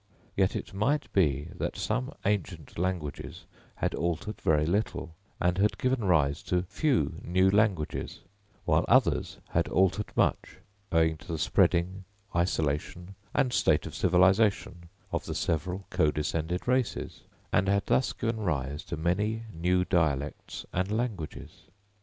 Yet it might be that some ancient languages had altered very little and had given rise to few new languages, whilst others had altered much owing to the spreading, isolation and state of civilisation of the several co descended races, and had thus given rise to many new dialects and languages.